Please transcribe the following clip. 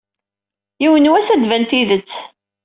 Yiwen n wass ad d-tban tidet.